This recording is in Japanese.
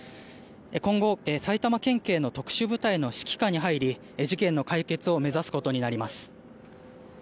今後、埼玉県警の特殊部隊の指揮下に入り事件の解決を目指すことになります。